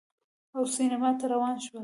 او سینما ته روان شول